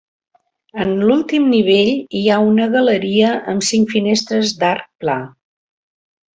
En l'últim nivell hi ha una galeria amb cinc finestres d'arc pla.